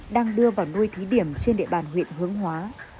đang đưa vào nuôi thí điểm trên địa bàn huyện hướng hóa